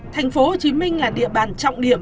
tp hcm là địa bàn trọng điểm